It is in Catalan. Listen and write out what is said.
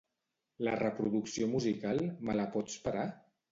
La reproducció musical, me la pots parar?